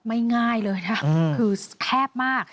ไม่ง่ายเลยครับคือแคบมาก